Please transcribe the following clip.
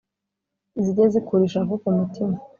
zijye zikura ishavu ku mutima